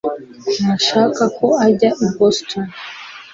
Ntashaka ko yajya i Boston